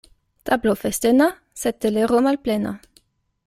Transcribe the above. Tablo festena, sed telero malplena.